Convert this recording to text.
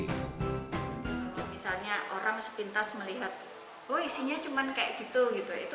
misalnya orang sepintas melihat oh isinya cuma kayak gitu